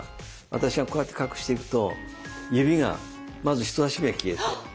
私がこうやって隠していくと指がまず人さし指が消えて中指が消えて消えてますね？